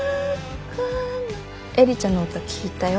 映里ちゃんの歌聴いたよ。